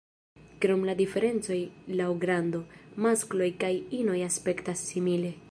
Krom la diferenco laŭ grando, maskloj kaj inoj aspektas simile.